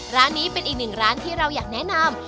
ร้านนี้เป็นอีกหนึ่งร้านที่เราอยากแนะนำ